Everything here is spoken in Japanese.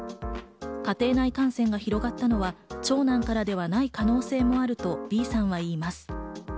家庭内感染が広がったのは長男からではない可能性もあると、Ｂさんは言います。